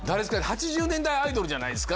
８０年代アイドルじゃないですか？